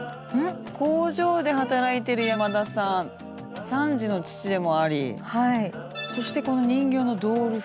工場で働いてる山田さん３児の父でもありそしてこの人形のドール服。